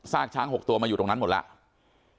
ช้าง๖ตัวมาอยู่ตรงนั้นหมดแล้ว